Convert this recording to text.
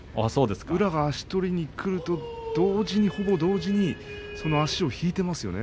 宇良が足取りにくると同時にほぼ同時にその足を引いていますよね。